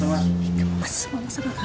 gemes banget sama kamu